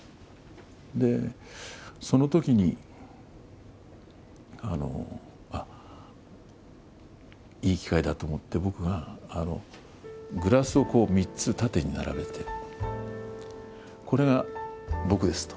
で、そのときに、いい機会だと思って、僕がグラスをこう３つ縦に並べて、これが僕ですと。